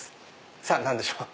さぁ何でしょうか？